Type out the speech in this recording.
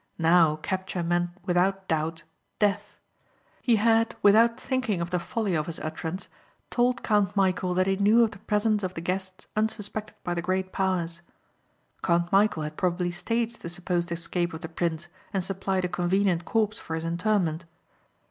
Now capture meant without doubt death. He had, without thinking of the folly of his utterance, told Count Michæl that he knew of the presence of the guests unsuspected by the great powers. Count Michæl had probably staged the supposed escape of the prince and supplied a convenient corpse for his interment.